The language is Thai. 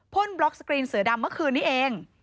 บล็อกสกรีนเสือดำเมื่อคืนนี้เอง